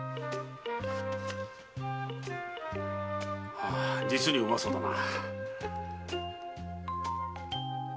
ああ実にうまそうだな。